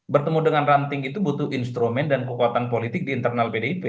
bertemu dengan ranting itu butuh instrumen dan kekuatan politik di internal pdip